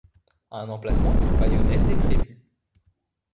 Un emplacement pour baïonnette est prévu.